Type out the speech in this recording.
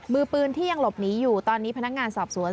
มือปืนที่ยังหลบหนีอยู่ตอนนี้พนักงานสอบสวน